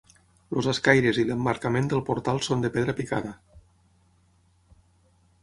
Els escaires i l'emmarcament del portal són de pedra picada.